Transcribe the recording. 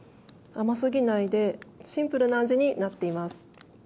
甘すぎないでシンプルな味になっています。